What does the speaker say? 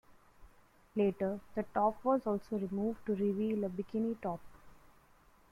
Later, the top was also removed to reveal a bikini top.